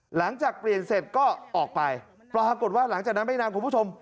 หลังจากเปลี่ยนเสร็จก็ออกไปปรากฏว่าหลังจากนั้นไม่นานคุณผู้ชม